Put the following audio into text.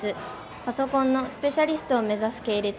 パソコンのスペシャリストを目指す系列。